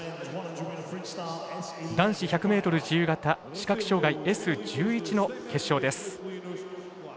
男子１００ｍ自由形視覚障がいＳ１１の決勝です。